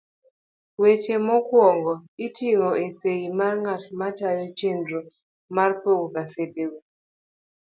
Weche mokwongogo oting'o sei mar ng'at matayo chenro mar pogo gasedego.